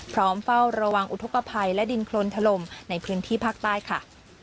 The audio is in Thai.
เฝ้าระวังอุทธกภัยและดินโครนถล่มในพื้นที่ภาคใต้ค่ะ